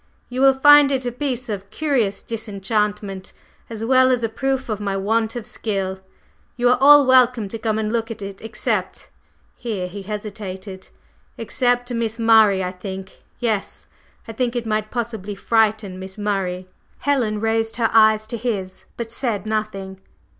"You will find it a piece of curious disenchantment, as well as a proof of my want of skill. You are all welcome to come and look at it except …" here he hesitated, "except Miss Murray. I think yes, I think it might possibly frighten Miss Murray." Helen raised her eyes to his, but said nothing.